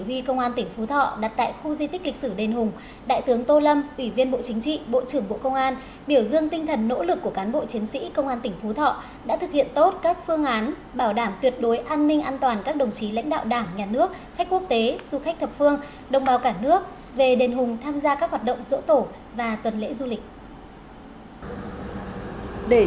chỉ huy công an tỉnh phú thọ đặt tại khu di tích lịch sử đền hùng đại tướng tô lâm ủy viên bộ chính trị bộ trưởng bộ công an biểu dương tinh thần nỗ lực của cán bộ chiến sĩ công an tỉnh phú thọ đã thực hiện tốt các phương án bảo đảm tuyệt đối an ninh an toàn các đồng chí lãnh đạo đảng nhà nước khách quốc tế du khách thập phương đồng bào cả nước về đền hùng tham gia các hoạt động rỗ tổ và tuần lễ du lịch